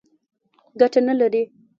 ګټه نه لري.